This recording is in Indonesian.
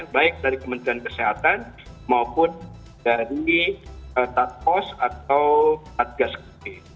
baik dari kementerian kesehatan maupun dari tatkos atau satgas covid